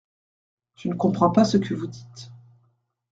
Je ne comprends pas ce que vous dites.